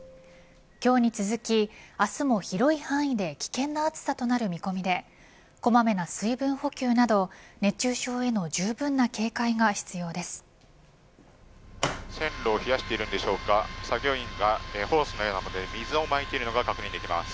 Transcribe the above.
今日に続き明日も広い範囲で危険な暑さとなる見込みでこまめな水分補給や熱中症へのじゅうぶんな警戒が必要です。